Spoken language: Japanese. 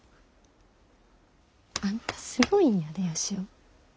あんたすごいんやでヨシヲ。